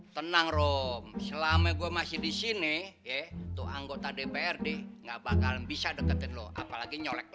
tenang rom selama gua masih di sini ya tuh anggota dprd nggak bakalan bisa deketin lo apalagi nyelek